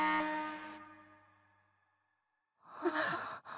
あっ。